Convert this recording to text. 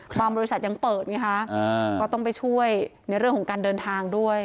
บริษัทยังเปิดไงคะก็ต้องไปช่วยในเรื่องของการเดินทางด้วย